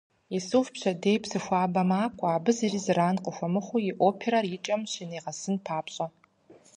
Исуф пщэдей Псыхуабэ макӏуэ, абы зыри зэран къыхуэмыхъуу, и оперэр икӏэм щынигъэсын папщӏэ.